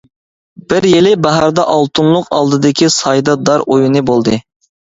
بىر يىلى باھاردا ئالتۇنلۇق ئالدىدىكى سايدا دار ئويۇنى بولدى.